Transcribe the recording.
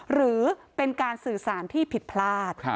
หรือเป็นการสื่อสารที่ผิดพลาด